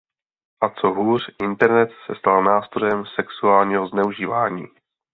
A co hůř, Internet se stal nástrojem sexuálního zneužívání.